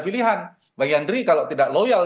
pilihan bang yandri kalau tidak loyal